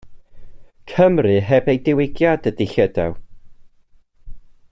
Cymru heb ei Diwygiad ydyw Llydaw.